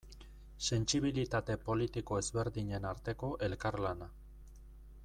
Sentsibilitate politiko ezberdinen arteko elkarlana.